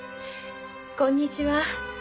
こんにちは。